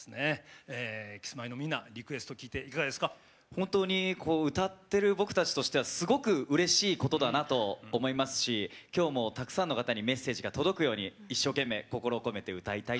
本当に歌っている僕たちとしてはすごくうれしいことだなと思いますしきょうもたくさんの方にメッセージが届くように一生懸命心を込めて歌いたいと思います。